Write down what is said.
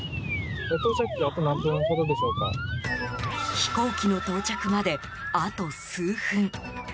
飛行機の到着まであと数分。